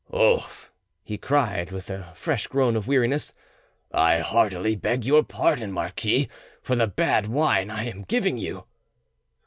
"Ouf!" he cried, with a fresh groan of weariness, "I heartily beg your pardon, marquis, for the bad wine I am giving you!"